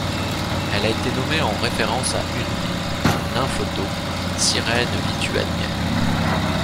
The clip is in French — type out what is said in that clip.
Elle a été nommée en référence à Undine, nymphe d'eau, sirène lituanienne.